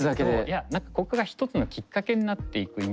いやここがひとつのきっかけになっていくイメージで。